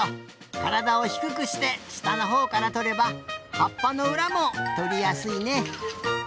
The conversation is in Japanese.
からだをひくくしてしたのほうからとればはっぱのうらもとりやすいね。